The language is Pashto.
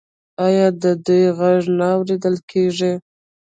آیا د دوی غږ نه اوریدل کیږي؟